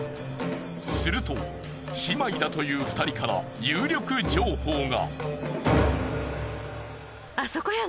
すると姉妹だという２人から有力情報が。